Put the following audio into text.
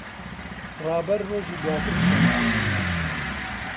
ڕابەر ڕۆژی دواتر چووە نەخۆشخانە.